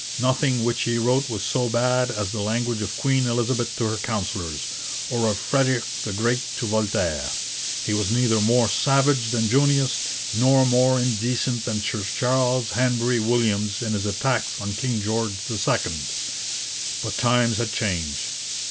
Nothing which he wrote was so bad as the language of Queen Elizabeth to her councillors, or of Frederick the Great to Voltaire. He was neither more savage than Junius, nor more indecent than Sir Charles Hanbury Williams in his attacks on King George II. But times had changed.